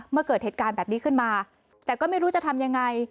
เกิดเหตุการณ์แบบนี้ขึ้นมาแต่ก็ไม่รู้จะทำยังไง